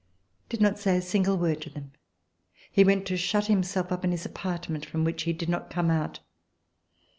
did not say a single word to them. He went to shut himself up in his apartment, from which he did not come out.